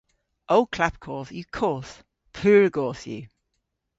Ow klapkodh yw koth. Pur goth yw.